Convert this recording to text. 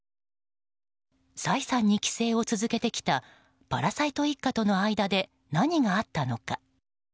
サイさんに寄生を続けてきたパラサイト一家との間で何があったのか。